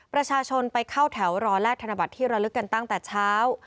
ประชาชนไปเข้าแถวรอแลกธนบัตรที่ระลึกกันตั้งแต่เช้า